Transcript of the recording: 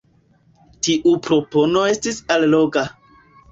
Tiu propono estis alloga.